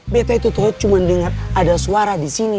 betta itu tuh cuman denger ada suara disini